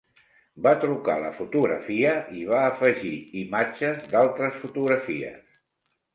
Va trucar la fotografia i hi va afegir imatges d'altres fotografies.